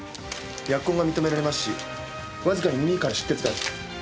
扼痕が認められますしわずかに耳から出血がある。